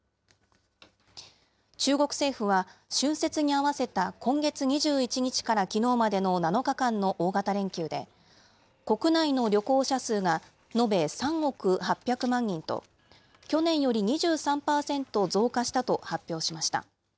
中国政府は春節に合わせた今月２１日からきのうまでの７日間の大型連休で、国内の旅行者数が延べ３億８００万人と、去年より２３％増加したと発表しました。